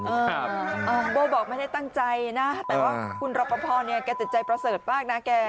แต่ว่าคุณรพพ็อมเนี่ยจะเป็นใจพระเสธมากนะแก